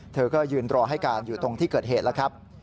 เธอก็ยืนรอให้การอยู่ตรงที่เกิดเหตุแล้วครับ